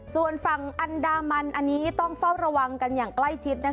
ส่วนฝั่งอันดามันอันนี้ต้องเฝ้าระวังกันอย่างใกล้ชิด